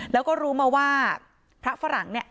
แล้วก็รู้มาว่าพระฝรั่งเนี่ย